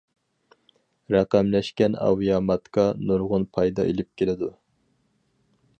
رەقەملەشكەن ئاۋىياماتكا نۇرغۇن پايدا ئېلىپ كېلىدۇ.